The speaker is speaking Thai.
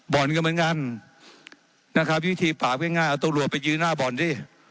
บ่อนก็เหมือนกันนะครับวิธีปราบง่ายเอาตำรวจไปยืนหน้าบ่อนดิ